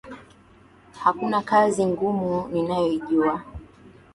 Hakuna kazi ngumu ninayoijua